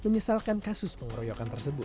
kpai menyesalkan kasus pengroyokan tersebut